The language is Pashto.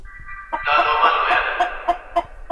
اخ تر خوله دي سم قربان زويه هوښياره